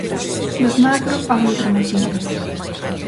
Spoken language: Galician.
Dos macro aos micromachismos.